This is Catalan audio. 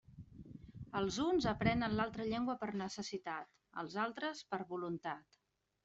Els uns aprenen l'altra llengua per necessitat; els altres, per voluntat.